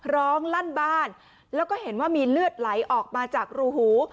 ลั่นบ้านแล้วก็เห็นว่ามีเลือดไหลออกมาจากรูหู